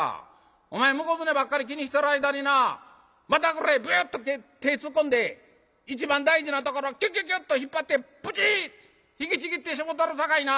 お前向こうずねばっかり気にしてる間にな股ぐらへビュっと手ぇ突っ込んで一番大事なところキュキュキュっと引っ張ってブチッ引きちぎってしもたるさかいな！」。